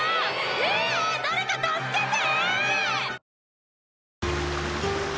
「ひぃ誰か助けて！」